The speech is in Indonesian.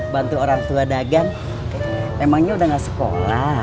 bantu orang tua dagang emangnya udah gak sekolah